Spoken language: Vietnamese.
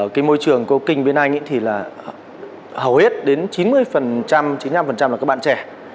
cái môi trường coking bên anh thì là hầu hết đến chín mươi chín mươi năm là các bạn trẻ